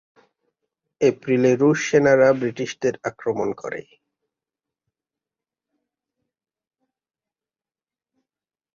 এপ্রিলে রুশ সেনারা ব্রিটিশদের আক্রমণ করে।